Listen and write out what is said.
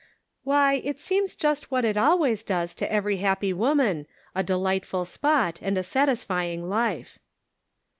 " Why, it seems just what it always does to every happy woman, a delightful spot, and a satisfying life."